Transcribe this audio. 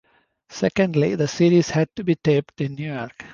Secondly, the series had to be taped in New York.